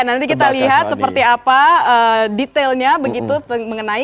nanti kita lihat seperti apa detailnya begitu mengenai